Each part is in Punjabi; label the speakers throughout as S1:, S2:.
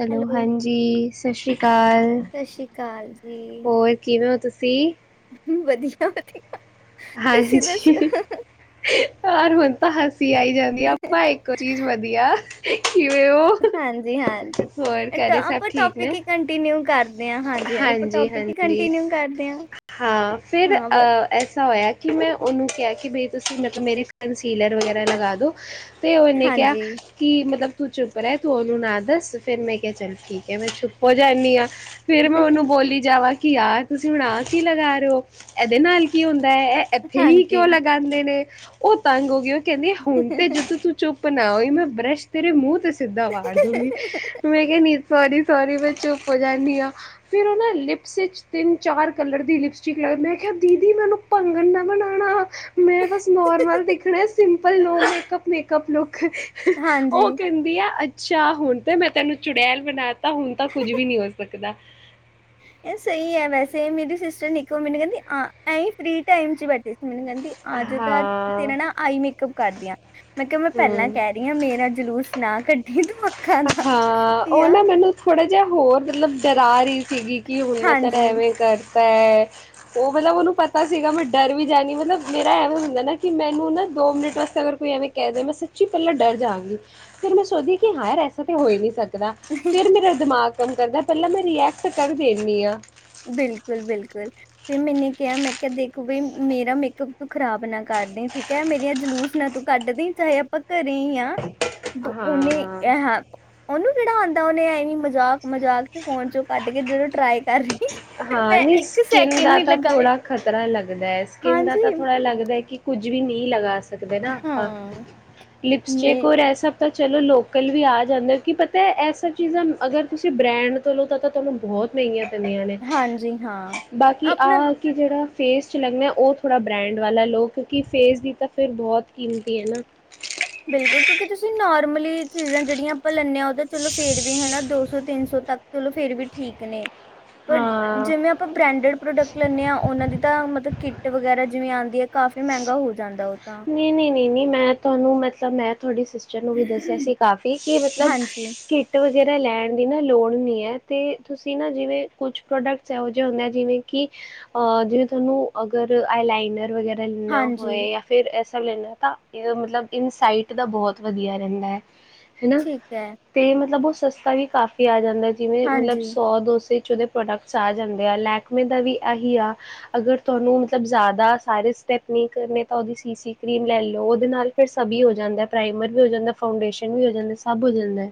S1: ਹੈਲੋ ਹਾਂਜੀ ਸਤਿ ਸ੍ਰੀ ਅਕਾਲ
S2: ਸਤਿ ਸ੍ਰੀ ਅਕਾਲ ਜੀ,
S1: ਹੋਰ ਕਿਵੇਂ ਹੋ ਤੁਸੀ? ਈ
S2: ਵਧੀਆ ਵਧੀਆ।
S1: ਹਾਂਜੀ। [unintelligible] ਹਸ। ਆਈ ਜਾਂਦੀ ਆ ਆਪਾਂ ਇੱਕੋ ਚੀਜ਼ ਵਧੀਆ? [unintelligible]
S2: ਹਾਂਜੀ ਹਾਂਜੀ,
S1: ਹੋਰ ਘਰੇ ਸਭ
S2: ਆਪਾਂ
S1: ਠੀਕ
S2: ਟੋਪਿਕ
S1: ਨੇ
S2: ਹੀ ਕੰਟੀਨਿਊ ਕਰਦੇ ਆਂ ਹਾਂਜੀ ਹਾਂਜੀ। ਆਪਾਂ ਟੋਪਿਕ ਹੀ ਕੰਟੀਨਿਊ ਕਰਦੇ ਆਂ। ਹਾਂ ਬ
S1: ਇਹ ਕਿ ਮੈਂ ਔਨੂੰ ਕਿਹਾ ਕਿ ਬਈ ਤੁਸੀਂ ਮਤਲਬ ਮੇਰੀ ਕਨਸੀਲਰ ਵਗੈਰਾ ਲਗਾ ਦੋ। ਤੇ ਔਨੇ ਕਿਹਾ
S2: ਹਾਂਜੀ,
S1: ਕਿ ਮਤਲਬ ਤੂੰ ਚੁੱਪ ਰਹਿ, ਤੁ ਔਨੂੰ ਨਾ ਦੱਸ। ਫੇਰ ਮੈਂ ਕਿਹਾ ਚੱਲ ਠੀਕ ਏ। ਮੈਂ ਚੁੱਪ ਹੋ ਜਾਣੀ ਹਾਂ। ਫੇਰ ਮੈਂ ਔਨੂੰ ਬੋਲੀ ਜਾਵਾਂ ਕੀ ਯਾਰ ਤੁਸੀਂ ਹੁਣ ਆ ਕੀ ਲਗਾ ਰਹੇ ਹੋ? ਇਹਦੇ ਨਾਲ ਕੀ ਹੁਨ ਇਹ ਇੱਥੇ ਹੀ
S2: ਹਾਂਜੀ।
S1: ਕਿਉਂ ਲਗਾਂਦੇ ਨੇ? ਔ ਤੰਗ ਹੋ ਗਏ? ਕਹਿੰਦੇ ਹੋਨ ਤੇ ਜਦੋ ਤੂੰ ਚੁੱਪ ਨਾ ਔਈ ਮੈਂ ਬਰਸ਼ ਤੇਰੇ ਮੂੰਹ ਤੇ ਸਿੱਧਾ ਵਾੜ ਦੂਗੀ, ਮੈਂ ਕਿਹਾ ਨੀ ਸਾਰੀ ਸੋਰੀ ਮੈਂ ਚੁੱਪ ਹੋ ਜਾਂਨੀ ਆ। ਫੇਰ ਔਨਾਂ ਲਿਪਸ ਇੰਚ ਤਿੰਨ-ਚਾਰ ਕਲਰ ਦੀ ਲਿਪਸਟਿਕ ਲਗਾਂਦਾ ਮੈਂ ਕਿਹਾ ਦੀ- ਦੀ ਮੈਨੂੰ ਭੰਗਣ ਨਾ ਬਣਾਣਾ। ਮੈਂ ਬਸ ਨੋਰਮਲ ਦਿਖਣਾ simple no makeup makeup look.
S2: ਹਾਂਜੀ,
S1: ਔ ਕਹਿੰਦੀ ਆ ਅੱਛਾ, ਹੁਣ ਤੇ ਮੈਂ ਤੈਨੂੰ ਚੁੜੈਲ ਬਣਾ ਤਾਂ ਹੁਣ ਤਾਂ ਕੁੱਝ ਵੀ ਨਹੀ ਹੋ ਸਕਦਾ। ਦਾ
S2: ਇਹ ਸਹੀ ਏ ਵੈਸੇ ਮੇਰੀ ਸਿਸ ਨ ਇੱਕ ਵਾਰ ਮੈਨੂੰ ਕਹਿੰਦੀ ਆ ਐਈ ਫ੍ਰਰੀ ਟਾਈਮ ਚ ਬੈਠੇ ਸੀ ਮੈਨੂੰ ਕਹਿੰਦੀ ਅੱਜ ਦਾ
S1: ਹਾਂ
S2: ਤੇਰੇ ਨਾ ਆਈ ਮੇਕਪ ਕਰਦੀਆਂ ਮੈਂ ਕਿਹਾ ਮੈਂ ਪਹਿਲਾਂ
S1: ਹੂੰ
S2: ਕਹਿ ਰਹੀ ਹਾਂ ਮੇਰਾ ਜਲੂਸ ਨਾ ਕੱਢ
S1: ਹਾਂ ਔ ਨਾ ਮੈਨੂੰ ਥੋੜੇ ਜਾਂ ਹੋਰ ਮਤਲਬ ਡਰਾ ਰਹੀ ਸੀਗੀ। ਕਿ ਹੁਣ ਮੈਂ ਤੇਰਾ
S2: ਹਾਂਜੀ।
S1: ਏਵੇਂ ਕਰ ਤਾਂ ਔ ਮਤਲਬ ਨੂੰ ਪਤਾ ਸੀਗਾ ਮੈਂ ਡਰ ਵੀ ਜਾਣੀ ਮਤਲਬ ਮੇਰਾ ਐਵੇਂ ਹੁੰਦਾ ਨਾ ਕਿ ਮੈਨੂੰ ਨਾ ਦੋ ਮਿੰਟ ਵਾਸਤੇ ਅਗਰ ਕੋਈ ਐਵੇਂ ਕਹਿ ਦ ਮੈਂ ਸੱਚੀ ਪਹਿਲਾਂ ਡਰ ਜਾਂਗੀ ਫੇਰ ਮੈਂ ਸੋਚਦੀ ਹਾ ਯਾਰ ਐਸਾ ਤੇ ਹੋ ਹੀ ਨਹੀਂ ਸਕਦ ਨਾ ਫਿਰ ਮੇਰਾ ਦਿਮਾਗ ਕੰਮ ਕਰਦਾ ਪਹਿਲਾਂ ਮੈਂ ਰੀਐਕਟ ਕਰ ਦੇ ਦੇਨੀ ਹਾਂ।
S2: ਬਿਲਕੁਲ ਬਿਲਕੁਲ ਫੇਰ ਮੈਨੇ ਕਿਹਾ ਮੈਂ ਕਿਹਾ ਦੇਖੋ ਬਈ ਮੇਰਾ ਮੇਕਅਪ ਤੂੰ ਖਰਾਬ ਨਾ ਕਰ ਦੇ, ਠੀਕ ਹੈ ਮੇਰੀਆਂ ਜਲੂਸ ਨਾ ਤੂੰ ਕੱਢ ਦਈ ਚਾਹੇ ਆਪਾਂ ਘਰੇ ਹੀ ਆ ਉਹਨੇ
S1: ਹਾਂ
S2: ਇ ਹਾਂ। ਉਹਨੂੰ ਕਿਹੜਾ ਆਂਦਾ, ਉਹਨੇ ਐਈ ਮਜ਼ਾਕ-ਮਜ਼ਾਕ ਚ ਫੋਨ ਚੋਂ ਕੱਢ ਕੇ ਜਦੋਂ ਟਰਾਈ ਕਰ ਰਹੀ
S1: ਹਾਂ,
S2: ਮੈਂ
S1: ਨੀ
S2: ਇੱਕ
S1: ਸਕਿੰਨ
S2: ਸੈਕਿੰਡ
S1: ਦਾ
S2: ਨੀ
S1: ਤਾਂ
S2: ਲਗਾਏ
S1: ਥੋੜਾ ਖਤਰਾ ਲੱਗਦਾ ਹੈ ਸਕਿੰਨ ਦਾ
S2: ਹਾਂਜੀ
S1: ਤਾਂ ਥੋੜ੍ਹਾ ਲੱਗਦਾ ਹੈ ਕਿ ਕੁਝ ਵੀ ਨਹੀਂ ਲਗਾ ਸ ਸਕਦੇ ਨਾ ਆਪਾਂ
S2: ਹਾਂ
S1: ਲਿਪਸਟਿਕ
S2: ਮੈਂ
S1: ਹੋਰ ਏ ਸਬ ਤਾਂ ਚਲੋ ਲੋਕਲ ਵੀ ਆ ਜਾਂਦੇ ਕੀ ਪਤਾ ਇਹ ਸਭ ਚੀਜ਼ਾਂ ਅਗਰ ਤੁਸੀਂ ਬ੍ਰੈਂਡ ਤੋਂ ਲੋ ਤਾਂ ਤਾਂ ਤੁਹਾਨੂੰ ਬਹੁਤ ਮਹਿੰਗੀਆਂ ਪੈਂਦੀਆਂ ਨੇ,
S2: ਹਾਂਜੀ ਹਾਂ
S1: ਬਾਕੀ
S2: ਆਪਣਾ
S1: ਆਹ ਕਿ ਜਿਹੜਾ ਫੇਸ ਚ ਲੱਗਣਾ ਉਹ ਥੋੜ੍ਹਾ ਬ੍ਰੈਂਡ ਵਾਲਾ ਲੋ, ਕਿਉਂਕਿ ਫੇਸ ਦੀ ਤਾਂ ਫਿਰ ਬਹੁਤ ਕੀਮਤੀ ਹੈ ਨਾ।
S2: ਬਿਲਕੁਲ ਕਿਉਂਕਿ ਤੁਸੀਂ ਨੋਰਮਲੀ ਚੀਜ਼ਾਂ ਜਿਹੜੀਆਂ ਆਪਾਂ ਲੈਂਨੇ ਹਾਂ ਉਹਦਾ ਚਲੋ ਫੇਰ ਵੀ ਹੈਨਾ ਦੋਸਤ ਦੋ ਤਿੰਨ ਸੌ ਤੱਕ ਚਲੋ ਫੇਰ ਵੀ ਠੀਕ ਨੇ। ਪਰ
S1: ਹਾਂ
S2: ਜਿਵੇਂ ਆਪਾਂ ਬ੍ਰੈਂਡਡ ਪ੍ਰੋਡਕਟ ਲੈਂਦੇ ਹਾਂ ਉਹਨਾਂ ਦੀ ਤਾਂ ਮਤਲਬ ਕਿੱਟ ਵਗੈਰਾ ਜਿਵੇਂ ਆਂਦੀ ਹੈ, ਕਾਫ਼ੀ ਮਹਿੰਗਾ ਹੋ ਜਾਂਦਾ ਉਹ ਤਾਂ।
S1: ਤ ਮੈ ਤੁਹਾਡੀ ਸਿਸਟਰ ਨੂੰ ਵੀ ਦੱਸਿਆ ਸੀ ਕਾਫ਼ੀ ਕਿ ਮਤਲਬ
S2: ਹਾਂਜੀ
S1: ਕਿੱਟ ਜਿਹੜਾ ਲੈਨ ਦੀ ਨਾ ਲੋੜ ਨੀ ਹੈ, ਤੇ ਤੁਸੀਂ ਨਾ ਜਿਵੇਂ ਕੁਛ ਪ੍ਰੋਡਕਟ ਇਹੋ ਜੇ ਹੁੰਦੇ ਆ ਜਿਵੇਂ ਕਿ ਅ ਜਿਵੇਂ ਤੁਹਾਨੂੰ ਅਗਰ ਆਈਲਾਈਨਰ ਵਗੇ [unintelligible]
S2: ਹਾਂਜੀ
S1: ਹੋਏ ਯਾਂ ਫਿਰ ਏਸ ਲੈਂਨਾ ਤਾਂ ਇਹ ਮਤਲਬ ਇਨਸਾਈਟ ਦਾ ਬਹੁਤ ਵਧੀਆ ਰਹਿੰਦਾ ਐ। ਹਨਾ,
S2: ਠੀਕ ਹੈ
S1: ਤੇ ਮਤਲਬ ਉਸ ਸਸਤਾ ਵੀ ਕਾਫੀ ਆ ਜਾਂਦਾ ਜਿਵੇਂ ਮਤਲਬ
S2: ਹਾਂਜੀ
S1: ਸੌ ਦੋ ਸੇ [unintelligible] ਪ੍ਰੋਡਕਟਸ ਆ ਜਾਂਦੇ ਆ, ਲੈਕਮੇ ਦਾ ਵੀ ਏਹੀ ਆ, ਅਗਰ ਤੁਹਾਨੂੰ ਮਤਲਬ ਜ਼ਿਆਦਾ ਸਾਰੇ ਸਟੈਪ ਨੀ ਕਰਨੇ ਤਾਂ ਉਹਦੀ ਸੀ-ਸੀ ਕਰੀਮ ਲੈ ਲੋ, ਉਹਦੇ ਨਾਲ ਫਿਰ ਸਭੀ ਹੋ ਜਾਂਦਾ ਪ੍ਰਾਈਮਰ ਵੀ ਹੋ ਜਾਂਦਾ, ਫਾਊਂਡੇਸ਼ਨ ਵੀ ਹੋ ਜਾਂਦਾ ਸਭ ਹੋ ਜਾਂਦਾ।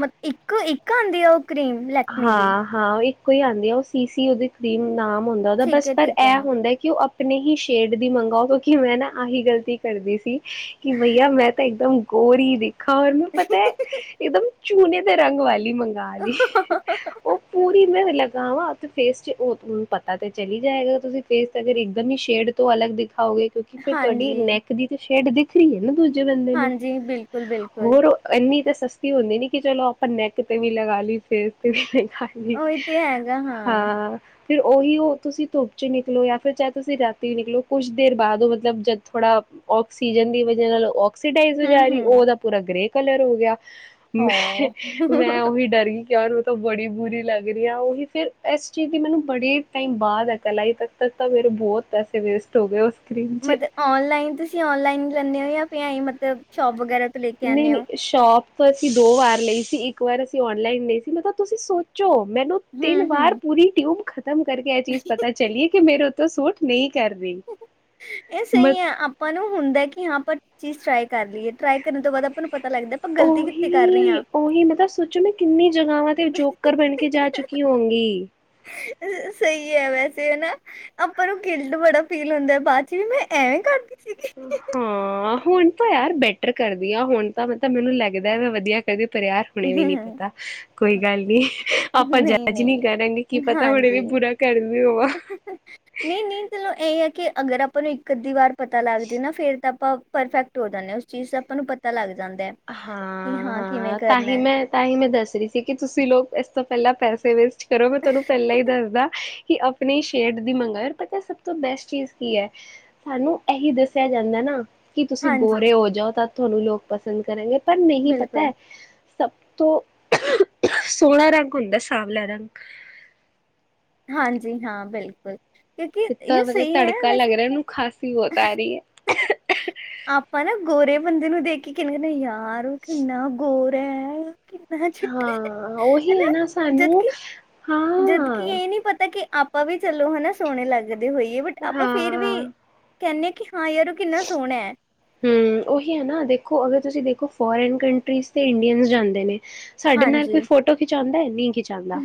S2: ਮ ਇੱਕ-ਇੱਕ ਆਂਦੀ ਆ ਉਹ ਕਰੀਮ ਲੈਕਮੀ ਦੀ
S1: ਹਾਂ-ਹਾਂ ਇੱਕ ਕੋਈ ਆਂਦੀ ਆ ਉਹ ਸੀ-ਸੀ ਉਹਦੇ ਕਰੀਮ ਨਾ ਹੁੰਦਾ
S2: ਠੀਕ
S1: ਬਸ
S2: ਹੈ
S1: ਪਰ
S2: ਠੀਕ ਹੈ
S1: ਏਹ ਹੁੰਦਾ ਕਿ ਉਹ ਅਪ ਆਪਣੀ ਹੀ ਸ਼ੇਡ ਦੀ ਮੰਗਓ ਕਿਉਂਕਿ ਮੈ ਨਾ ਆਹੀ ਗਲਤੀ ਕਰਦੀ ਸੀ ਕਿ ਭਈਆ ਮੈਂ ਤਾਂ ਇੱਕਦਮ ਗੋਰੀ ਦੇ ਖਾ ਮ ਪਤਾ ਹੈ ਇੱਕਦਮ ਚੁਨੇ ਦੇ ਰੰਗ ਵਾਲ ਦੀ ਮੰਗਾ ਲਈ। ਉਹ ਪੂਰੀ ਮ ਲਗਾਵਾ ਤੇ ਫੇਸ ਚ ਉਹੂੰ ਪਤਾ ਤੇ ਚਲੀ ਜਾਏਗਾ, ਤੁਸੀਂ ਫੇਸ ਤੇ ਅਗਰ ਇਕ ਦਮ ਹੀ ਸ਼ੇਡ ਤੋਂ ਅਲੱਗ ਦਿਖ ਖਾਓਗੇ ਕਿਉਂਕਿ ਫਿਰ ਤੁਹਾਡੀ
S2: ਹਾਂਜੀ
S1: ਨੈਕ ਦੀ ਤੇ ਸ਼ੇਡ ਦੀਖ [unintelligible] ਦੂਜੇ ਬੰਦੇ ਨੂੰ
S2: ਹਾਂਜੀ ਬਿਲਕੁਲ ਬਿਲਕੁਲ
S1: ਹੋਰ ਇਨੀ ਤਾਂ ਸਸਤੀ ਹੁੰਦੀ ਨੀ ਕਿ ਚਲੋ ਆਪਾਂ ਨੈਕ ਤੇ ਵੀ ਲਗਾ ਲਈ ਫੇਰ [inaudible]
S2: ਉਹੀ ਤੇ ਹੈਗਾ ਹਾਂ।
S1: ਤੇ ਉਹੀ ਉਹ ਤੁਸੀਂ ਧੁੱਪ ਤੇ ਨਿਕਲੋ, ਜਾਂ ਫਿਰ ਚਾਹੇ ਤੁਸੀਂ ਰਾਤੀ ਨਿਕਲੋ, ਕੁਛ ਦੇਰ ਬਾਅਦ ਉਹ ਮਤਲਬ ਜਦ ਥੋੜ੍ਹਾ ਔਕਸੀਜਨ ਦੀ ਵਜ੍ਹਾ ਨਾਲ ਆਕਸੀਡਾਈਜ ਹੋਇ
S2: ਹਮ
S1: ਜਾ ਰਹੀ ਉਹ
S2: ਹਮ
S1: ਉਦਾ ਪੂਰਾ ਗਰੇ ਕਲਰ ਹੋ ਗਿਆ।
S2: ਹੋ
S1: ਮੈਂ, ਮੈਂ ਉਵੀ ਡਰ ਗਈ। ਯਾਰ ਓਹ ਬੜੀ ਬੁਰੀ ਲੱਗ ਰਹੀ ਆ, ਉਹੀ ਤੇ ਇਸ ਚੀਜ਼ ਦੀ ਮੈਨੂੰ ਬੜੇ ਟਾਈਮ ਬਾਅਦ ਅਕਲ ਆਈ ਤਦ-ਤੱਕ ਤਾਂ ਮੇਰੇ ਬਹੁਤ ਪੈਸੇ ਵੇਸਟ ਹੋ ਗਏ ਉਸ ਕਰੀਮ ਚ।
S2: ਮਤਲਬ ਔਨਲਾਈਨ ਤੁਸੀਂ ਔਨਲਾਈਨ ਲੈਂਨੇ ਹੋ ਜਾਂ ਏ ਮਤਲਬ ਸ਼ੋਪ ਵਗੈਰਾ। ਤੋਂ ਲੈ ਕੇ ਆਉਂਦੇ
S1: ਨਹੀਂ-ਨਹੀਂ,
S2: ਹੋ
S1: ਸ਼ੋਪ ਤੋ ਅਸੀਂ ਦੋ ਵਾਰ ਲਈ ਸੀ, ਇੱਕ ਵਾਰ ਅਸੀਂ ਔਨਲਾਈਨ ਲਈ ਸੀ ਮਤਲਬ ਤੁਸੀਂ ਸੋਚ ਮੈਨੂੰ ਤਿੰਨ
S2: ਹਮ
S1: ਵਾਰ
S2: ਹਮ
S1: ਪੂਰੀ ਤਯੁਬ ਖ ਖ਼ਤਮ ਕਰਕੇ ਇਹ ਚੀਜ਼ ਪਤਾ ਚਲੀਏ ਕਿ ਮੇਰੇ ਤਾਂ ਸੂਟ ਨਹੀਂ ਕਰ ਰਹੀ
S2: ਇਹ
S1: ਮ
S2: ਸਹੀ ਹੈ ਆਪਾਂ ਨੂੰ ਹੁੰਦਾ ਕਿ ਹਾਂ ਪਰ ਚੀਜ਼ ਟ੍ਰਾਈ ਕਰ ਲਈਏ, ਟਰਾਈ ਕਰਨ ਤੋਂ ਬਾਅਦ ਆਪਾਂ ਨੂੰ ਪਤਾ ਲੱਗਦਾ ਆਪਾਂ ਗਲਤੀ ਕਿੱਥੇ ਕਰ ਰਹੇ
S1: ਉਹੀ
S2: ਹਾਂ।
S1: ਉਹੀ ਮਤਲਬ ਸੋਚੋ ਮੈਂ ਕਿੰਨੀ ਜਗ੍ਹਾਵਾਂ ਤੇ ਜੋਕਰ ਬਣ ਕੇ ਜਾ ਚੁੱਕੀ ਹੋਊਂਗੀ
S2: ਸਹੀ ਹੈ, ਵੈਸੇ ਹਨ ਨਾ ਆਪਾਂ ਨੂੰ ਕਿਲਡ ਬੜਾ ਫੀਲ ਹੁੰਦਾ ਬਾਦ ਚ ਵੀ ਮੈਂ ਐਵੇਂ ਕਰਦੀ ਸੀਗੀ
S1: ਹਾਂ, ਹੁਣ ਤ ਯਾਰ ਬੈਠ ਟਰ ਕਰਦੀ ਹਾਂ ਹੁਣ ਤਾ ਮਤਲਬ ਮੈਨੂੰ ਲੱਗਦਾ ਹੈ ਮੈਂ ਵਧੀਆ ਕਰਦੀ ਪਰ ਯਾਰ ਹੁਣੇ ਵੀ ਨਹੀਂ ਪਤਾ ਕੋਈ ਗੱਲ ਨਹੀਂ।
S2: ਨਹੀਂ-ਨਹੀਂ,
S1: ਹੁਣੇ ਵੀ
S2: ਹਾਂਜੀ
S1: ਬੁਰਾ ਕਰਦੀ ਹੋਵਾਂ
S2: ਨਹੀਂ-ਨਹੀਂ ਚਲੋ ਇਹ ਹੈ ਕਿ ਅਗਰ ਆਪਾਂ ਨੂੰ ਇੱਕ ਅੱਧੀ ਵਾਰ ਪਤਾ ਲੱਗ ਜੇ ਨਾ ਫੇਰ ਤਾਂ ਪ-ਪਰਫੈਕਟ ਹੋ ਜਾਂਨੇ ਹਾਂ ਉਸ ਚੀਜ਼ ਆਪਾਂ ਨੂੰ ਪਤਾ ਲੱਗਦਾ
S1: ਹਾਂ-ਹਾਂ,
S2: ਕਰਨਾ
S1: ਤਾਂਹੀ
S2: ਹੈ
S1: ਮੈਂ ਤਾਂਹੀ ਮੈਂ ਦੱਸ ਰਹੀ ਸੀ ਕਿ ਤੁਸੀਂ ਲੋਕ ਇਸ ਤ ਪਹਿਲਾਂ ਪੈਸੇ ਵੇਸਟ ਕਰੋ ਗੇ ਤੁਹਾਨੂੰ ਪਹਿਲਾਂ ਹੀ ਦੱਸਦਾ ਕਿ ਆਪਣੀ ਸ਼ੈਡ ਦੀ ਮੰਗਵਾਏ ਪਤਾ ਸਭ ਤੋਂ ਬੈਸਟ ਚੀਜ਼ ਕੀ ਹੈ, ਸਾਨੂੰ ਇਹੀ ਦੱਸਿਆ ਜਾਂਦਾ ਨਾ ਕੀ ਤੁਸੀਂ
S2: ਹਾਂਜੀ
S1: ਗੋਰੇ ਹੋ ਜਾਓ ਤਾਂ ਤੁਹਾਨੂੰ ਲੋਕ ਪਸ ਪਸੰਦ ਕਰਨਗੇ। ਪਰ, ਨਹੀਂ
S2: ਬਿਲਕੁਲ
S1: ਪਤਾ ਸਭ ਤੋਂ ਸੋਹਣਾ ਰੰਗ ਹੁੰਦਾ ਸਾਵਲਾ ਰੰਗ
S2: ਹਾਂਜੀ, ਹਾਂ ਬਿਲਕੁਲ।
S1: ਤਾਂ ਮਤਲਬ ਤੜਕਾ ਲੱਗ ਰਿਹਾ ਇਹਨੂੰ ਖਾਸ
S2: ਆਪਾਂ ਨਾ ਗੋਰੇ ਬੰਦੇ ਨੂੰ ਦੇਖ ਕਿੰਨ ਨਹੀਂ ਯ ਆਰ, ਉਹ ਕਿੰਨਾ ਗੋਰ ਰੈ ਕੀ
S1: ਹਾਂ, ਉਹੀ ਹੈ ਨਾ
S2: ਜਦ
S1: ਸਾਨੂੰ,
S2: ਕਿ ਜਦ ਕਿ
S1: ਹਾਂ
S2: ਇਹ ਨਹੀਂ ਪਤਾ ਕਿ ਆਪਾਂ ਵੀ ਚਲੋ ਹਨਾ ਸੋਹਣੇ ਲੱਗ ਕਦੇ ਹੋਈਏ ਬਟ ਆਪਾਂ ਫੇਰ ਵੀ
S1: ਹਾਂ
S2: [unintelligible] ਹਾਂ ਯਾਰ ਕਿੰਨਾ ਸੋਹਣਾ ਹੈ।
S1: ਹੁੰ, ਉਹੀ ਹੈ ਨਾ ਦੇਖੋ ਅਗਰ ਤੁਸੀਂ ਦੇਖੋ ਫੋਰਨ ਕੰਟਰੀਜ਼ ਤੇ ਇੰਡੀਅਨ ਜਾਂਦੇ ਨੇ। ਸਾਡੇ ਨਾਲ
S2: ਹਾਂਜੀ
S1: ਕੋਈ ਫੋਟੋ ਖਿਚਾਉਂਦਾ ਹੈ। ਚਾਂਦਾ,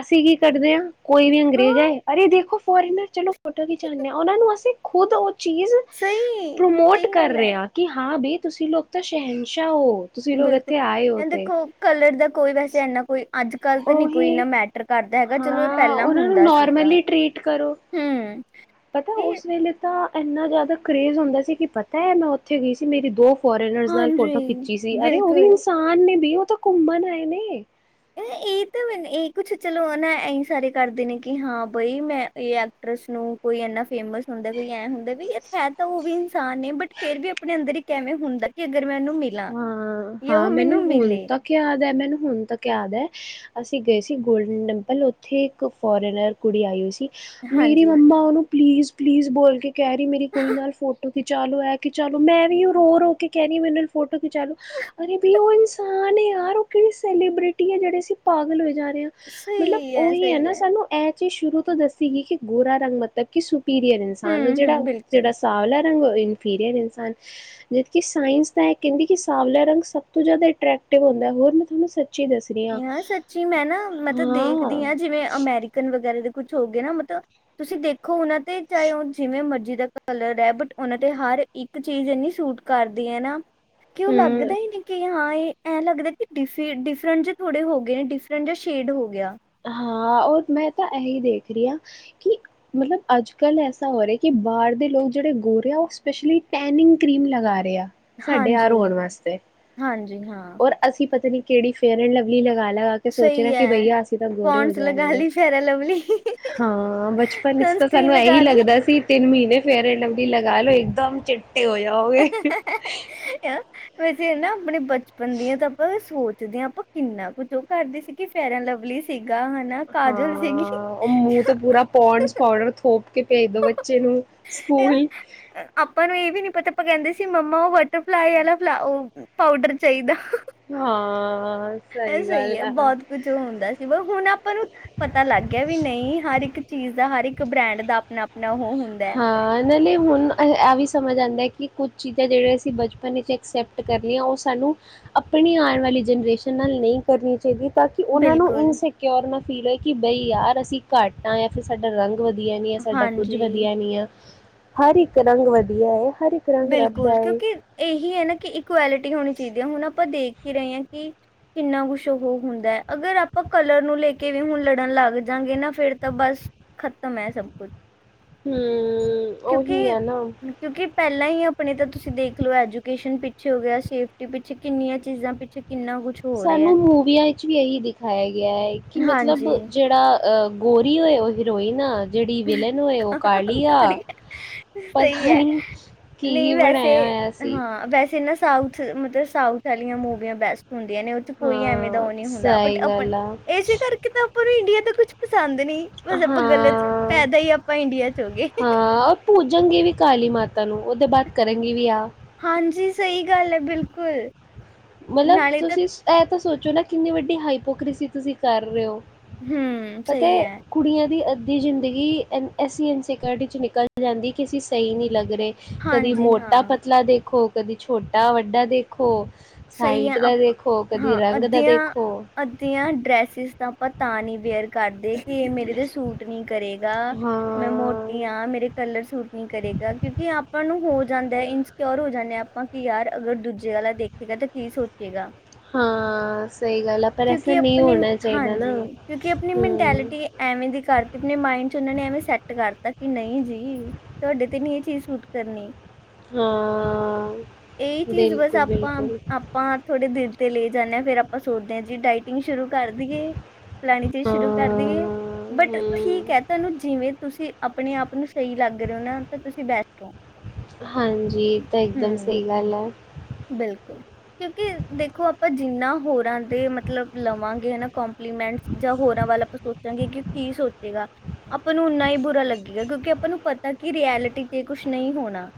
S1: ਅਸੀਂ ਕੀ ਕਰਦੇ ਹਾਂ ਕੋਈ ਵੀ ਅੰਗਰੇਜ਼
S2: ਹਾਂ
S1: ਆਏ ਅਰੇ ਦੇਖੋ ਫੋਰਨਰ ਚਲੋ ਫੋਟੋ ਖਿਚਾਂਦੇ ਹਾਂ ਉਹਨਾਂ ਨੂੰ ਅਸੀਂ ਖੁਦ ਚੀਜ਼
S2: ਸਹੀ
S1: ਪ੍ਰਮੋਟ
S2: ਸਹੀ
S1: ਕਰ
S2: ਗੱਲ ਹੈ
S1: ਰਿਹਾ ਕਿ ਹਾਂ ਬੲ ਤੁਸੀਂ ਲੋਕ ਤਾਂ ਸ਼ਹਿਨਸ਼ਾਹ ਹੋ। ਤੁਸੀਂ ਲੋਕ
S2: ਬਿਲਕੁਲ,
S1: ਇੱਥੇ ਆਏ ਹੋ
S2: ਇਹ
S1: ਤੇ
S2: ਦੇਖੋ ਕਲਰ ਦਾ ਕੋਈ ਵੈਸੇ ਇਨਾ ਕੋਈ ਅੱਜ ਕੱਲ੍ਹ ਤਾਂ ਨੀ ਕੋਈ ਇੰਨਾ
S1: ਉਹੀ
S2: ਮੈਟਰ ਕਰਦਾ ਹੈਗਾ ਚਲੋ ਇਹ
S1: ਹਾਂ,
S2: ਪਹਿਲਾਂ
S1: ਉਹਨਾਂ ਨੂੰ ਨੋਰਮਲੀ ਟਰੀਟ ਕਰੋ।
S2: ਹੁੰ।
S1: ਪਤਾ ਉਸ ਵੇਲੇ ਤਾਂ ਇੰਨਾ ਜ਼ਿਆਦਾ ਕਰੇਜ਼ ਹੁੰਦਾ ਸੀ ਕਿ ਪਤਾ ਹੈ ਮੈਂ ਉੱਥੇ ਗਈ ਸੀ ਮੇਰੀ ਦੋ ਫੋਰਨਰ ਨਾਲ
S2: ਹਾਂਜੀ
S1: ਫੋਟੋ ਖਿੱਚੀ ਸੀ ਅਰੇ ਉਹ ਵੀ ਇਨਸਾਨ ਨੇ ਵੀ ਤਾਂ ਘੁੰਮਣ ਹੈ ਨੇ ਘੁੰਮਣ
S2: ਇਹ ਤਾਂ ਇਹ ਕੁਛ ਚਲੋ ਨਾ ਇਹੀ ਸਾਰੇ ਕਰਦੇ ਨੇ ਕਿ ਹਾਂ ਬਈ ਮ ਐਕਟਰਸ ਨੂੰ ਕੋਈ ਇਨਾ ਫੇਮਸ ਹੁੰਦਾ ਕੋਈ ਐ ਹੁੰਦਾ ਹੈ ਤਾਂ ਉਹ ਵੀ ਇਨਸਾਨ ਨੇ ਬ ਫਿਰ ਵੀ ਆਪਣੇ ਅੰਦਰ ਕਿਵੇਂ ਹੁੰਦਾ ਮੈਂ ਉਹਨੂੰ ਮਿਲਾਂ
S1: ਹਾਂ
S2: ਜਾਂ ਉਹ
S1: ਹਾਂ ਮੈਨੂੰ ਹੁਣ
S2: ਮਿਲੇ
S1: ਤ ਯਾਦ ਹੈ ਮੈਨੂੰ ਹੁਣ ਤੱਕ ਯਾਦ ਹੈ ਅਸੀਂ ਗਏ ਸੀ ਗੋਲਡਨ ਟੈਂਪਲ ਉੱਥੇ ਇੱਕ ਫੋਰਨਰ ਕੁੜੀ ਆਈ ਹੋਈ ਸੀ ਮੇਰੀ
S2: ਹਾਂਜੀ
S1: ਮੰਮਾ ਉਹਨੂੰ ਪਲੀਜ਼ ਪਲੀਜ਼ ਬੋਲ ਕੇ ਕਹਿ ਰਹੀ ਮੇਰੀ ਕੁੜੀ ਨਾਲ ਫੋਟੋ ਤੇ ਚਲੋ ਐ ਕੇ ਚਲੋ ਮੈਂ ਵੀ ਉਹ ਰੋ ਰੋ ਕੇ ਕਹਿ ਰਹੀ ਹਾਂ ਮੈਨੂੰ ਫੋਟੋ ਖਿਚਾ ਲੋ ਅ ਵੀ ਉਹ ਇਨਸਾਨ ਹੈ ਯਾਰ ਉਹ ਕਿਹੜੀ ਸੈਲੀਬ੍ਰਿਟੀ ਹੈ ਜਹੜੀ ਪਾਗਲ ਹੋ ਜਾਣਾ ਮਤਲਬ ਉਹੀ ਹੈ ਨਾ ਸਾਨੂੰ ਇਹ ਸ਼ੁਰੂ ਤੋਂ ਦੱਸੀ ਸੀ ਕਿ ਗੋਰਾ ਰੰਗ ਮਤਲਬ ਕਿ ਪੀਰੀਅਰ ਇਨਸਾਨ ਨੂੰ
S2: ਹਮ ਹਮ
S1: ਜਿਹੜਾ ਜਿਹੜਾ
S2: ਬਿਲਕੁਲ
S1: ਸ ਪੀਰੀਅਡ ਇਨਸਾਨ ਹਾਂ ਕਿ ਸਾਇੰਸ ਕਹਿੰਦੀ ਕਿ ਸਾਵਲਾ ਰੰਗ ਸਭ ਤੋਂ ਜ਼ਿਆਦਾ ਅਟਰੈਕਟਿਵ ਹੁੰਦਾ ਹੈ ਹੋਰ ਮੈਂ ਤੁਹਾਨੂੰ ਦੱਸ ਰਹੀ ਹਾਂ।
S2: ਾਂ ਸੱਚੀ ਮੈਂ ਨਾ ਮਤਲਬ ਦੇਖਦੀ ਹਾਂ ਜਿਵੇਂ ਅਮਰੀਕਨ ਵਗੈਰਾ ਕੁੱਛ ਹੋ ਗਏ ਨਾ ਮਤਲਬ ਤੁਸੀਂ ਦੇਖ ਖੋ ਉਹਨਾਂ ਤੇ ਚਾਹੇ ਉਹ ਜਿਵੇਂ ਮਰਜ਼ੀ ਕਲਰ ਹੈ ਬਟ ਉਹਨਾ ਤੇ ਹਰ ਇੱਕ ਚੀਜ਼ ਇਨੀ ਸੂਟ ਕਰਦੀ ਹੈ ਨਾ ਕਿ ਉਹ ਲੱਗਦਾ
S1: ਹੂੰ
S2: ਹੀ ਨਹੀਂ ਕਿ ਹਾਂ ਇਹ ਐਂ ਲੱਗਦਾ ਕਿ ਡਿਫ ਡਿਫਰੈਂਟ ਥੋੜੇ ਹੋ ਗਏ ਨੇ ਡਿਫਰੈਂਟ ਜਾਂ ਸ਼ੇਡ ਹੋ ਗਿਆ
S1: ਹਾਂ ਰ ਮੈਂ ਤਾਂ ਇਹੀ ਦੇਖ ਰਹੀ ਹਾਂ ਕਿ ਮਤਲਬ ਅੱਜ ਕੱਲ ਐਸਾ ਹੋ ਰਿਹਾ ਕਿ ਬਾਹਰ ਦੇ ਲੋਕ ਜਿਹੜੇ ਗੋਰੇ ਆ ਉਹ ਸਪੈਸ਼ਲੀ ਟੈਨਿੰਗ ਕਰੀਮ ਲਗਾ ਰਹੇ ਆ ਸਾਡੇ
S2: ਹਾਂਜੀ
S1: ਆਾਰ ਹੋਣ ਵਾਸਤੇ
S2: ਹਾਂਜੀ ਹਾਂ
S1: ਔਰ ਅਸੀਂ ਪਤਾ ਨੀ ਕਿਹੜੀ ਫੇਅ ਲਵਲੀ ਲਗਾ ਲਗਾ ਕੇ ਸੋਚ ਰਿ
S2: ਸਹੀ ਹੈ
S1: ਕਿ ਬਈਆ ਤਾਂ ਗੋਰੇ ਹੋ
S2: ਪੌਂਡਸ ਲਗਾ
S1: ਜਾਣਗੇ
S2: ਲਈ ਫੇਅਰ ਲਵਲੀ ਸਨਸਕ੍ਰੀਨ
S1: ਹਾਂ ਬਚਪਨ ਵਿੱਚ ਤਾਂ ਸਾਨੂੰ ਇਹੀ
S2: ਲਗਾ ਲਈ
S1: ਲੱਗਦਾ ਸੀ ਤਿੰਨ ਮਹੀਨੇ ਫਿਰ ਫੇਰ ਲਵਲੀ ਲਗਾ ਲੋ ਇੱਕਦਮ ਚ ਚਿੱਟੇ ਹੋ ਜਾਓਗੇ
S2: ਯਾਰ ਵੈਸੇ ਨਾ ਆਪਣੇ ਬੱਚੇ ਬਚਪਨ ਦੀਆਂ ਤਾਂ ਆਪਾਂ ਸੋਚ ਜਦ ਆਪਾਂ ਕਿੰਨਾ ਕੁੱਝ ਉਹ ਕਰਦੇ ਸੀ ਕਿ ਫੈਰਨ ਲਵਲੀ ਸੀ
S1: ਹਾਂ ਉਹ ਮੂੰਹ ਤੇ ਪੂਰਾ ਪੋਡਸ ਪਾਊਡਰ ਥੋਪ ਕੇ ਭੇਜ ਦੋ ਬੱਚੇ ਨੂੰ
S2: ਯਾਰ,
S1: ਸਕੂਲ
S2: ਆਪਾਂ ਨੂੰ ਇਹ ਵੀ ਨੀ ਪਤਾ ਆਪਾਂ ਕਹਿੰਦੇ ਸੀ ਮੰਮਾ ਉਹ ਬਟਰਫਲਾਈ ਵਾਲਾ ਫ ਪਾਊਡਰ ਚਾਹੀਦਾ
S1: ਹਾਂ
S2: ਇਹ ਸਹੀ
S1: ਗੱਲ
S2: ਹੈ
S1: ਆ।
S2: ਬਹੁਤ ਕੁਝ ਹੁੰਦਾ ਸੀ ਵ ਹੁਣ ਆਪਾਂ ਨੂੰ ਪਤਾ ਲੱਗ ਗਿਆ ਵੀ ਨਹੀਂ ਹਰ ਇੱਕ ਚੀਜ਼ ਦਾ ਹਰ ਇੱਕ ਬ੍ਰੈਂਡ ਦਾ ਨਾ
S1: ਹਾਂ ਨਾਲੇ ਹੁਣ ਆ ਵੀ ਸਮਝ ਆਉਂਦਾ ਕਿ ਕੁਝ ਚੀਜ਼ਾਂ ਜਿਹੜੀਆਂ ਅਸੀਂ ਬਚਪਨ ਵਿੱਚ ਅਕਸੈਪਟ ਕਰਨੀਆਂ ਉਹ ਸਾਨੂੰ ਆਪਣੀ ਆਉਣ ਵਾਲੀ ਜਨਰੇਸ਼ਨ ਨਾਲ ਨਹੀਂ ਕਰਨੀ ਚਾਹੀਦੀਆਂ ਤਾਂ ਕਿ ਉਹਨਾਂ ਨੂੰ
S2: ਬਿਲਕੁਲ
S1: ਇਨਸਿਕਿਓਰ ਨਾ ਫੀਲ ਹੋਏ ਕਿ ਬਈ ਯਾਰ ਅਸੀਂ ਘੱਟ ਹਾਂ ਜਾਂ ਫਿਰ ਸਾਡਾ ਰੰਗ ਵਧੀਆ ਨੀ ਹੈ ਸਾਡਾ ਕੁਝ
S2: ਹਾਂਜੀ
S1: ਵਧੀਆ ਨਹੀਂ ਆ ਹਰ ਇੱਕ ਰੰਗ ਵਧੀਆ ਹੈ ਹਰ ਇੱਕ ਰੰਗ ਰੱਬ ਦਾ
S2: ਬਿਲਕੁਲ
S1: ਹੈ
S2: ਕਿਉਂਕਿ ਇਹੀ ਹੈ ਨਾ ਕਿ ਇਕੁਐਲਿਟੀ ਹੋਣੀ ਚਾਹੀਦੀ ਹੈ ਹੁਣ ਆਪਾਂ ਦੇਖ ਕੀ ਰਹੇਾਂ ਕਿ ਕਿੰਨਾ ਕੁਛ ਉਹ ਹੁੰਦਾ ਹੈ ਅਗਰ ਆਪਾਂ ਕਲਰ ਨੂੰ ਲੈ ਕੇ ਵੀ ਹੁਣ ਲੜਨ ਲੱਗ ਜਾਂਗੇ ਨਾ ਫੇਿਰ ਤਾਂ ਬਸ ਖ਼ਤਮ ਹੈ ਸਭ ਕੁਝ
S1: ਹਮ ਉਹੀ
S2: ਕਿਉਂਕਿ
S1: ਹੈ ਨਾ
S2: ਕਿਉਂਕਿ ਪਹਿਲਾਂ ਹੀ ਆਪਣੇ ਤਾਂ ਤੁਸੀਂ ਦੇਖ ਲਓ ਐਜੂਕੇਸ਼ਨ ਪਿੱਛੇ ਹੋ ਗਿਆ ਸੇਫਟੀ ਪਿੱਛੇ ਕਿੰਨੀਆਂ ਚੀਜ਼ਾਂ ਪਿੱਛੇ ਕਿੰਨਾ ਕੁਛ ਹੋ ਰਿਹਾ ਹੈ।
S1: ਸਾਨੂੰ ਮੂਵੀਆਂ ਵਿੱਚ ਵੀ ਇਹੀ ਦਿਖਾਇਆ ਗਿਆ ਹੈ ਕਿ ਮਤਲਬ
S2: ਹਾਂਜੀ
S1: ਜਿਹੜਾ ਗੌਰੀ ਹੋਏ ਉਹ ਹੀਰੋਇਨ ਜਿਹੜੀ ਵਿਲਨ ਹੋਏ ਉਹ ਕਾਲੀ ਆ
S2: ਸਹੀ
S1: ਪਤਾ
S2: ਹੈ
S1: ਨੀ
S2: ਨਹੀਂ
S1: ਕੀ
S2: ਵੈਸੇ
S1: ਬਣਾਇਆ ਹੋਇਆ ਸੀ
S2: ਹਾਂ ਵੈਸੇ ਨਾ ਸਾਊਥ ਮਤਲਬ ਸਾਊਥ ਵਾਲੀਆਂ ਮੂਵੀਆਂ ਬੈਸਟ ਹੁੰਦੀਆਂ ਨੇ ਉਹ ਚ ਕੋਈ ਐਵੇਂ ਦਾ
S1: ਹਾਂ
S2: ਉਹ ਨੀ ਹੁੰਦਾ ਬਟ
S1: ਸਹੀ
S2: ਆਪ
S1: ਗੱਲ ਆ
S2: ਇਸੇ ਕਰਕੇ ਤਾਂ ਆਪਾਂ ਨੂੰ ਇੰਡੀਆ ਤ ਕੁਛ ਪਸੰਦ ਨ ਬਸ ਆਪਾਂ ਗਲਤ
S1: ਹਾਂ
S2: ਪੈਦਾ ਹੀ ਆਪਾਂ ਇੰਡੀਆ ਚ ਹੋ ਗਏ
S1: ਹਾਂ ਉਹ ਪੂਜਣਗੇ ਵੀ ਕਾਲੀ ਮਾਤਾ ਨੂੰ ਉਹਦੇ ਬਾਅਦ ਕਰਗੀ ਵੀ ਆਹ
S2: ਹਾਂਜੀ। ਸਹੀ ਗੱਲ ਹੈ। ਬਿਲਕੁਲ
S1: ਮਤਲਬ
S2: ਨਾਲੇ ਤਾਂ
S1: ਤੁਸੀਂ ਇਹ ਤਾਂ ਸੋਚ ਚ ਨਾ ਕਿੰਨੀ ਵੱਡੀ ਹਾਈਪੋਕ੍ਰੀਸੀ ਤੁਸੀਂ ਕਰ ਰਹੇ ਹੋ
S2: ਹਮ
S1: ਪੱਤਾ।
S2: ਸਹੀ ਹੈ
S1: ਕੁੜੀਆਂ ਦੀ ਅ ਦੀ ਜ਼ਿੰਦਗੀ ਐਸੀ ਇਨਸਿਕਿਓਰਿਟੀ ਨਿਕਲ ਜਾਂਦੀ ਕਿੇ ਸਹੀ ਨਹੀਂ ਲੱਗ ਰਹੇ ਕਦੀ
S2: ਹਾਂਜੀ
S1: ਮੋਟਾ
S2: ਹਾਂ
S1: ਪਤਲਾ ਦੇਖੋ ਕਦੀ ਛੋਟਾ ਵੱਡਾ ਦੇਖੋ
S2: ਸਹੀ ਹੈ
S1: ਸਾਈਟ ਦਾ ਦੇਖੋ ਕਦੀ
S2: ਹਾਂ
S1: ਰੰਗ ਦਾ
S2: ਅੱਧੀਆਂ
S1: ਦੇਖੋ
S2: ਅੱਧੀਆਂ ਡ੍ਰੈਸਿਸ ਦਾ ਆਪ ਤਾਂ ਨਹੀਂ ਵੇਅਰ ਕਰਦੇ ਤੇ ਮੇਰੇ ਤੇ ਸੂਟ ਨੀ ਕਰੇਗਾ ਮੈਂ ਮੋਟ
S1: ਹਾਂ
S2: ਆ ਮੇਰੇ ਕਲਰ ਸੂਟ ਨਹੀਂ ਕਰੇਗਾ। ਕਿਉਂਕਿ ਆਪਾਂ ਨੂੰ ਹੋਰ ਜਾਂਦਾ ਇਨਸਕਿਓਰ ਹੋ ਜਾਂਦੇ ਆ ਆਪਾਂ ਆਪਾਂ ਕਿ ਯਾਰ ਅਗਰ ਦੂਜੇ ਵਾਲਾ ਦੇਖ ਜੱਦਕੀ ਸੋਚੇਗਾ।
S1: ਹਾਂ ਸਹੀ ਗੱਲ ਆ ਪਰ ਐਸਾ
S2: ਕਿਉਂਕਿ
S1: ਨਹੀਂ
S2: ਆਪਣੀ
S1: ਹੋਣਾ ਚਾਹੀਦਾ
S2: ਹਾਂਜੀ
S1: ਨਾ
S2: ਕਿਉਂਕਿ ਆਪਣੀ
S1: ਹਮ
S2: ਮਿੰਤਾਲਟੀ ਐਵੇਂ ਦੀ ਕਰਤੀ ਆਪਣੇ ਮਾਇਡ ਚ ਉਹਨਾ ਨੇ ਐਵੇਂ ਸੈਟ ਕਰਤਾ ਕਿ ਨਹੀਂ ਜੀ ਤੁਹਾਡੇ ਤੇ ਨੀ ਇਹ ਚੀਜ਼ ਸੂਟ ਕਰਨੀ
S1: ਹਾਂ
S2: ਇਹ ਚੀਜ਼ ਬਸ
S1: ਬਿਲਕੁਲ,
S2: ਆਪਾਂ
S1: ਬਿਲਕੁਲ
S2: ਆਪਾਂ ਥੋੜੇ ਦਿਲ ਤੇ ਲੈ ਜਾਂਦੇ ਹਾਂ ਫੇਰ ਆਪਾਂ ਸੋਚਦੇ ਹਾਂ ਜੀ ਡਾਇਟਿੰਗ ਸ਼ੁਰੂ ਕਰ ਦੀਏ ਫਲਾਣੀ ਚੀਜ਼
S1: ਹਾਂ
S2: ਸ਼ੁਰੂ ਕਰ ਦੇਏ ਬਟ ਠੀਕ
S1: ਹਮ
S2: ਹੈ ਤੁਹਾਨੂੰ ਜਿਵੇਂ ਤੁਸੀਂ ਆਪਣੇ ਆਪ ਨੂੰ ਸਹੀ ਲੱਗ ਰਹੇ ਹੋ ਨਾ ਤਾਂ ਤੁਸੀਂ ਬੈਸਟ ਹੋ।
S1: ਹਾਂਜੀ ਤਾਂ ਇਕਦਮ
S2: ਹੂੰ
S1: ਸਹੀ ਗੱਲ ਹੈ
S2: ਬਿਲਕੁਲ ਕਿਉਕ ਦੇਖੋ ਆਪਾਂ ਜਿੰਨਾ ਹੋਰਾਂ ਦੇ ਮਤਲਬ ਲਵਾਂਗੇ ਹਨ ਕਪਲੀਮੈਂਟ ਜਾਂ ਹੋਰਾਂ ਵੱਲ ਆਪਾਂ ਸੋਚਾਂਗੇ ਕਿ ਕੀ ਸੋਚੇਗਾ ਆਪਾਂ ਨੂੰ ਓਨਾ ਹੀ ਬੁਰਾ ਲੱਗੇਗਾ ਕਿਉਂਕਿ ਆਪਾਂ ਨੂੰ ਪਤਾ ਕੀ ਰਐਲਿਟੀ ਚ ਕੁਛ ਨਹੀਂ ਹੋਣਾ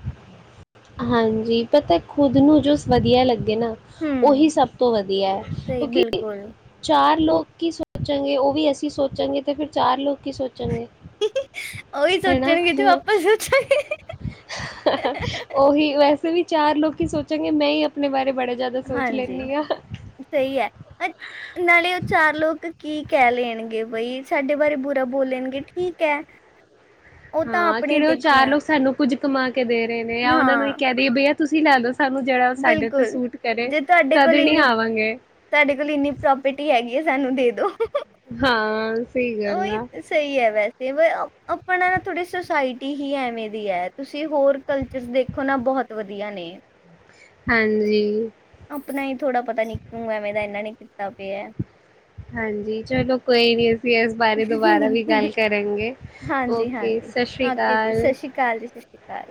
S1: ਹਾਂਜੀ ਪਤਾ ਖੁਦ ਨੂੰ ਜੋ ਵਧੀਆ ਲੱਗਦਾ ਨਾ ਉਹੀ
S2: ਹੂੰ
S1: ਸਭ ਤੋਂ ਵਧੀਆ ਹੈ
S2: ਸਹੀ
S1: ਕਿਉਂਕਿ
S2: ਬਿਲਕੁਲ
S1: ਚਾਰ ਲੋਕ ਕੀ ਸੋਚਾਂਗੇ ਉਹ ਵੀ ਅਸੀਂ ਸੋਚਾਂਗੇ ਤੇ ਫਿਰ ਚਾਰ ਲੋਕ ਕੀ ਸੋਚਣਗੇ
S2: ਉਹੀ
S1: ਹਨਨਾ
S2: ਸੋਚਣਗੇ ਜੋ ਆਪਾਂ ਸੋਚਾਂਗੇ
S1: ਵੈਸੇ ਵੀ ਚਾਰ ਲੋਕ ਹੀ ਸੋਚਾਂਗੇ ਮੈਂ ਹੀ ਆਪਣੇ ਬਾਰੇ ਬੜਾ ਜ਼ਿਆਦਾ ਸੋਚ
S2: ਹਾਂਜੀ
S1: ਲੈਂਦੀ ਹਾਂ
S2: ਸਹੀ ਹੈ ਨਾਲੇ ਉਹ ਚਾਰ ਲੋਕ ਕੀ ਕਹਿ ਲੈਣਗੇ ਬਈ ਸਾਡੇ ਬਾਰੇ ਬੁਰਾ ਬੋਲਣਗੇ ਠੀਕ ਹੈ ਉਹ ਤਾਂ
S1: ਹਾਂ
S2: ਆਪਣੇ
S1: ਕਿਹੜੇ ਉਹ
S2: ਤੇ
S1: ਚਾਰ
S2: ਗਿਆ
S1: ਲੋਕ ਸਾਨੂੰ ਕੁੱਝ ਕਮਾ ਕੇ ਦੇ ਰਹੇ ਨੇ ਜਾਂ ਉਹਨਾਂ ਨੂੰ ਇਹ
S2: ਹਾਂ
S1: ਕਹਿ ਦੇਈਏ ਬਈਆ ਤੁਸੀਂ ਲੈ ਦੱਸੋ
S2: ਬਿਲਕੁਲ ਜੇ ਤੁਹਾਡੇ
S1: ਤਦ
S2: ਕੋਲ
S1: ਹੀ ਨਹੀਂ
S2: ਇੰਨੀ
S1: ਆਵਾਂਗੇ
S2: ਤੁਹਾਡੇ ਕੋਲ ਇੰਨੀ ਪ੍ਰੋਪਰਟੀ ਹੈਗੀ ਹੈ ਸਾਨੂੰ ਦੋ
S1: ਹਾਂ ਸਹੀ ਗੱਲ ਆ
S2: ਉਹਹੀ ਸਹੀ ਹੈ ਬਸ ਅਤੇ ਆਪਣਾ ਨਾ ਥੋੜ੍ਹੀ ਸੁਸਾਇਟੀ ਹੀ ਐਵੇਂ ਦੀ ਹੈ ਤੁਸੀਂ ਹੋਰ ਕਲਚਰਸ ਦੇਖੋ ਨਾ ਬਹੁਤ ਵਧੀਆ ਨੇ
S1: ਹਾਂਜੀ
S2: ਆਪਣਾ ਹੀ ਥੋੜ੍ਹਾ ਪਤਾ ਨੀ ਕਿਉਂ ਐਵੇਂ ਦਾ ਇਹਨਾ ਨੇ ਕੀਤਾ ਪਿਆ ਹੈ
S1: ਹਾਂਜੀ ਚਲੋ ਕੋਈ ਵੀੀ ਇਸ ਬਾਰੇ ਦੁਬਾਰਾ ਵੀ
S2: ਹੈ।
S1: ਗੱਲ ਕਰਾਂਗੇ ਓਕੇ
S2: ਹਾਂਜੀ-ਹਾਂਜੀ
S1: ਸਤਿ ਸ਼੍ਰੀ
S2: ਓਕੇ ਜੀ
S1: ਅਕਾਲ
S2: ਸਤਿ ਸ਼੍ਰੀ ਅਕਾਲ ਜੀ ਸਤਿ ਸ਼੍ਰੀ ਅਕਾਲ।